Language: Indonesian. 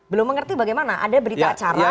belum mengerti bagaimana ada berita acara